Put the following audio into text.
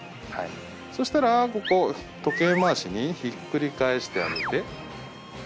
そしたら時計回しにひっくり返してあげて。